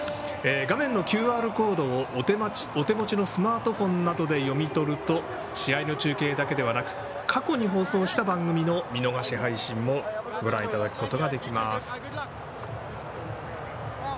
画面のＱＲコードをお手持ちのスマートフォンなどで読み取ると試合の中継だけではなく過去に放送した番組の見逃し配信もご覧いただくことができます。